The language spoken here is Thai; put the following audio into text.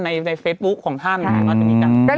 ในเฟซบุ๊กของท่านนะคะมันจะมีการ